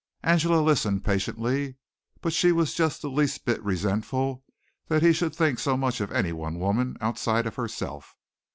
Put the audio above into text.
Angela listened patiently, but she was just the least bit resentful that he should think so much of any one woman outside of herself.